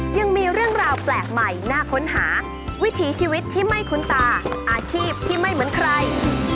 ยังมีเรื่องราวแปลกใหม่น่าค้นหาวิถีชีวิตที่ไม่คุ้นตาอาชีพที่ไม่เหมือนใคร